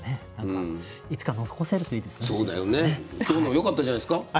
今日のはよかったじゃないですか。